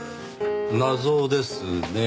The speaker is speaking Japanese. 謎ですねぇ。